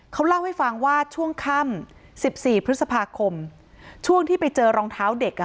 เขาเล่าให้ฟังว่าช่วงค่ำ๑๔พฤษภาคมช่วงที่ไปเจอรองเท้าเด็กอ่ะ